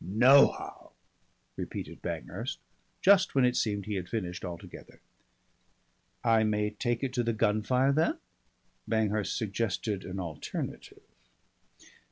"Nohow," repeated Banghurst just when it seemed he had finished altogether. "I may take it to the Gunfire then?" Banghurst suggested an alternative.